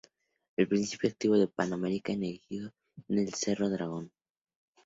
El principal activo de Pan American Energy es Cerro Dragón.